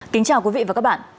kính chào quý vị và các bạn